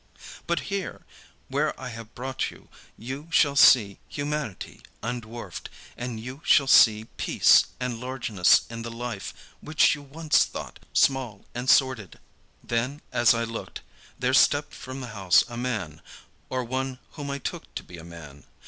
But here, where I have brought you, you shall see humanity undwarfed, and you shall see peace and largeness in the life which you once thought small and sordid." Then as I looked, there stepped from the house a man, or one whom I took to be a man.